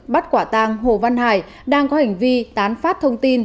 bắt quả tàng hồ văn hải đang có hành vi tán phát thông tin